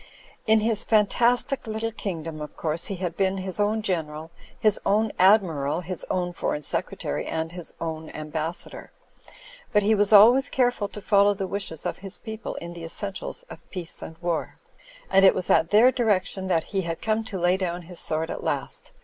In his fantastic little kingdom, of course, he had been his own General, his own Admiral, his own Foreign Sec retary and his own Ambassador; but he was always careful to follow the wishes of his people in the es sentials of peace and war ; and it was at their direction that he had come to lay down his sword at last.